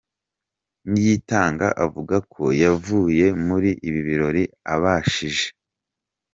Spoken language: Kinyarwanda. Niyitanga avuga ko yavuye muri Ibibirori Abashije.